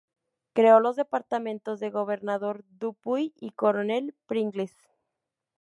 Creó los departamentos de Gobernador Dupuy y Coronel Pringles.